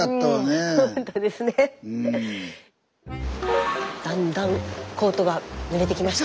スタジオだんだんコートがぬれてきました。